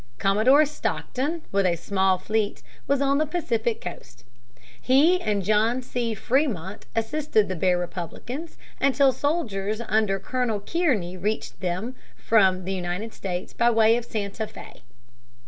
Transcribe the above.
Commodore Stockton with a small fleet was on the Pacific coast. He and John C. Frémont assisted the Bear Republicans until soldiers under Colonel Kearney reached them from the United States by way of Santa Fé.